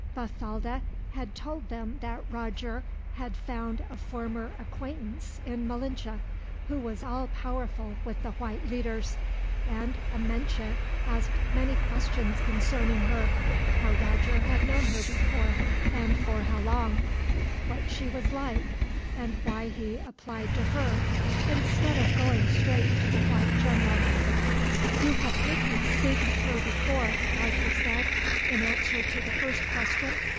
Bathalda had told them that Roger had found a former acquaintance in Malinche, who was all powerful with the white leaders; and Amenche asked many questions concerning her how Roger had known her before, and for how long; what she was like, and why he applied to her, instead of going straight to the white general. "You have heard me speak of her before," Roger said, in answer to the first question.